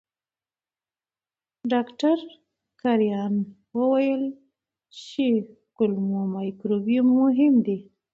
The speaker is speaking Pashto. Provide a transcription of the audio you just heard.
ډاکټر کرایان وویل چې کولمو مایکروبیوم مهم دی.